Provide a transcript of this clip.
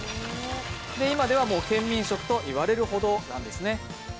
今ではもう県民食と言われるほどなんですね。